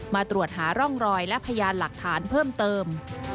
มาตรวจหาร่องรอยและพยานหลักฐานเพิ่มเติม